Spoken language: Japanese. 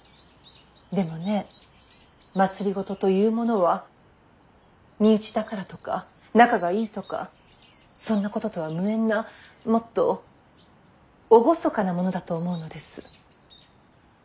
でもね政というものは身内だからとか仲がいいとかそんなこととは無縁なもっと厳かなものだと思うのです。